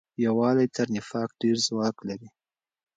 یووالی تر نفاق ډېر ځواک لري.